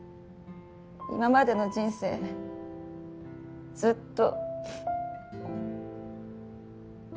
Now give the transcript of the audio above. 今までの人生ずっと。